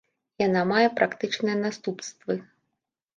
Яна мае практычныя наступствы.